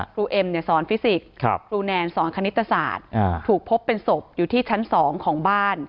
เอ็มสอนฟิสิกส์ครูแนนสอนคณิตศาสตร์ถูกพบเป็นศพอยู่ที่ชั้น๒ของบ้าน